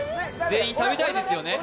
全員食べたいですよね？